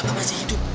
papa masih hidup